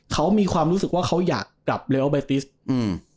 เขามีความรู้สึกว่าเขาอยากกลับเลอเบติสอืม